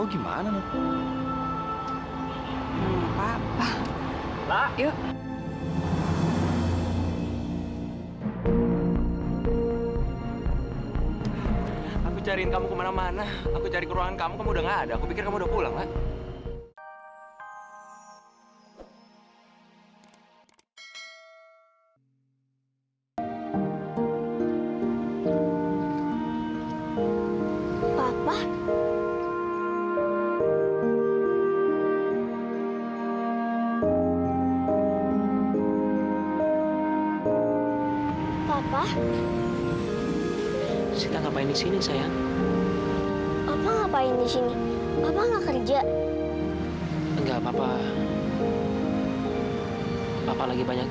sampai jumpa di video selanjutnya